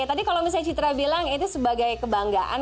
tadi kalau misalnya citra bilang itu sebagai kebanggaan